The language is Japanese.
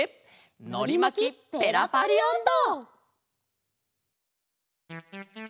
「のりまきペラパリおんど」。